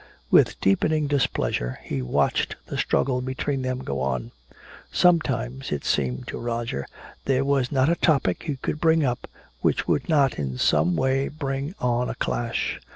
With deepening displeasure he watched the struggle between them go on. Sometimes it seemed to Roger there was not a topic he could bring up which would not in some way bring on a clash.